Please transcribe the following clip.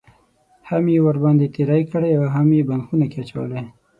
هم یې ورباندې تېری کړی اوهم یې بند خونه کې اچولی.